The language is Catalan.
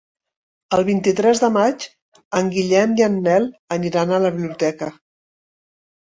El vint-i-tres de maig en Guillem i en Nel aniran a la biblioteca.